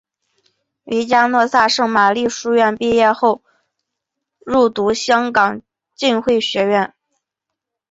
于嘉诺撒圣玛利书院毕业后入读香港浸会学院。